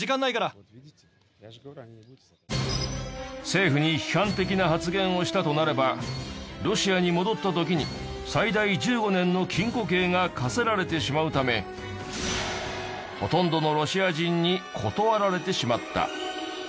政府に批判的な発言をしたとなればロシアに戻った時に最大１５年の禁錮刑が科せられてしまうためほとんどのロシア人に断られてしまった。